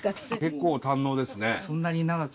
結構堪能ですね。